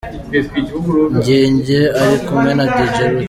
Jyejye ari kumwe na Dj Ruti.